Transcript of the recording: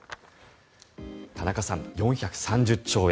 田中さん、４３０兆円